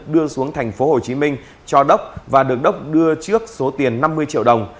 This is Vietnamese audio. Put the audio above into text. đưa xuống thành phố hồ chí minh cho đốc và được đốc đưa trước số tiền năm mươi triệu đồng